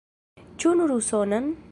Ĉu nur usonan?